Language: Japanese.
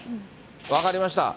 分かりました。